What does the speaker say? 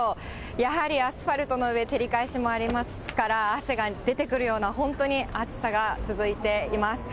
やはりアスファルトの上、照り返しもありますから、汗が出てくるような、本当に暑さが続いています。